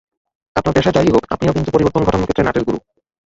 আপনার পেশা যা-ই হোক, আপনিও কিন্তু পরিবর্তন ঘটানোর ক্ষেত্রে নাটের গুরু।